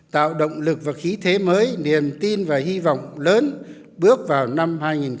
tạo động lực và khí thế mới niềm tin và hy vọng lớn bước vào năm hai nghìn hai mươi